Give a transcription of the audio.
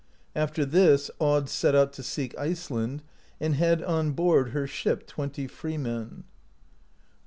After this Aud set out to seek Iceland, and had on board her ship twenty freemen (13).